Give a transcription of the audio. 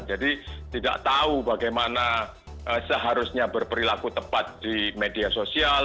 jadi tidak tahu bagaimana seharusnya berperilaku tepat di media sosial